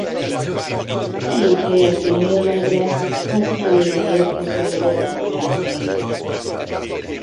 Így helyezi mérlegre az eléje érkező holtak lelkeit.